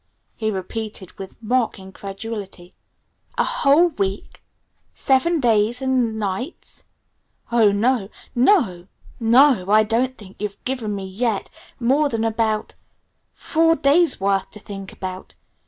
he repeated with mock incredulity. "A whole week seven days and nights? Oh, no! No! No! I don't think you've given me, yet, more than about four days' worth to think about.